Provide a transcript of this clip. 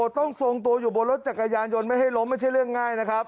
ทรงตัวอยู่บนรถจักรยานยนต์ไม่ให้ล้มไม่ใช่เรื่องง่ายนะครับ